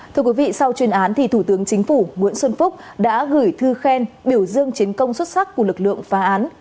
thưa quý vị sau chuyên án thì thủ tướng chính phủ nguyễn xuân phúc đã gửi thư khen biểu dương chiến công xuất sắc của lực lượng phá án